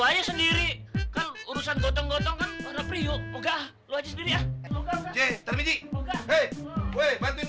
lo aja sendiri kan urusan gotong gotong kan pada prio buka lo aja sendiri ah